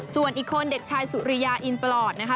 ส่วนอีกคนเด็กชายสุริยาอินปลอดนะคะ